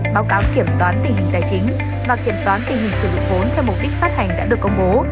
báo cáo kiểm toán tình hình tài chính và kiểm toán tình hình sử dụng vốn theo mục đích phát hành đã được công bố